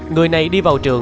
người này đi vào trường